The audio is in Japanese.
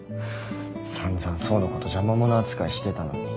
散々想のこと邪魔者扱いしてたのに。